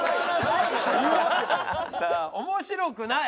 さあ「面白くない」